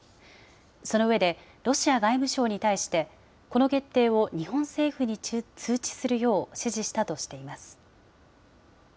その上で、ロシア外務省に対して、この決定を日本政府に通知するよう指示したとしています。